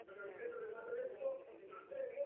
Sin embargo, ha sido aún menor de lo que es actualmente.